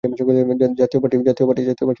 জাতিয় পাটি